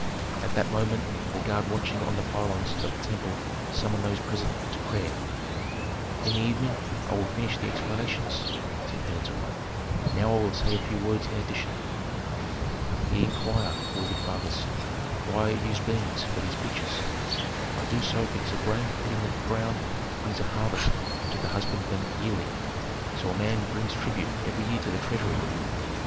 At that moment the guard watching on the pylons of the temple summoned those present to prayer. "In the evening I will finish the explanations," said Pentuer; "now I will say a few words in addition. "Ye inquire, worthy fathers, why I use beans for these pictures. I do so because a grain put in the ground brings a harvest to the husbandmen yearly; so a man brings tribute every year to the treasury.